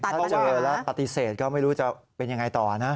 ถ้าเจอแล้วปฏิเสธก็ไม่รู้จะเป็นยังไงต่อนะ